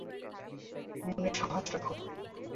মনে সাহস রাখো।